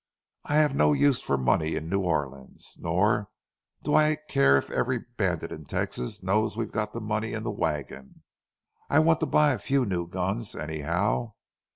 I have no use for money in New Orleans. Nor do I care if every bandit in Texas knows we've got the money in the wagon. I want to buy a few new guns, anyhow.